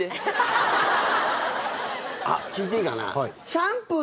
あっ聞いていいかな？